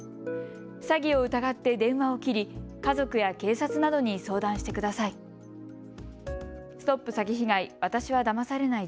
詐欺を疑って電話を切り家族や警察などに相談してください。